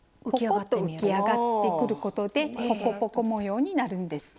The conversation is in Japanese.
ポコッと浮き上がってくることでポコポコ模様になるんです。